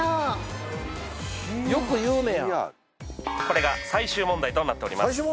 これが最終問題となっております